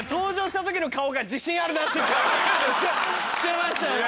って顔してましたよね。